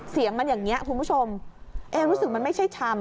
เสียงมันอย่างนี้คุณผู้ชมเองรู้สึกมันไม่ใช่ชำ